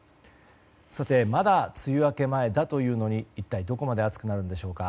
まだ梅雨明け前だというのに一体どこまで暑くなるというのでしょうか。